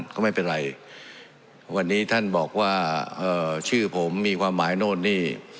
ก็ไม่เป็นไรวันนี้ท่านบอกว่าเอ่อชื่อผมมีความหมายโน่นนี่